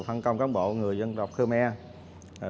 phần công cán bộ người dân tộc khmer